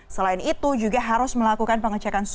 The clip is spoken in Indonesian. selain itu juga harus melakukan pengecekan susu